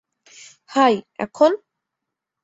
High, এখন?